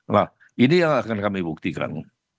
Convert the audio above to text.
nah ini yang akan kami buktikan